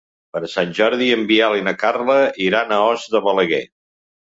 Per Sant Jordi en Biel i na Carla iran a Os de Balaguer.